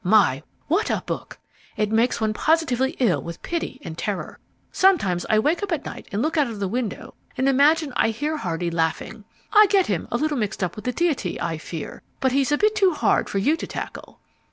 My, what a book! It makes one positively ill with pity and terror. Sometimes I wake up at night and look out of the window and imagine I hear Hardy laughing. I get him a little mixed up with the Deity, I fear. But he's a bit too hard for you to tackle."